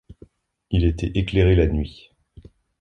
Il était éclairé la nuit.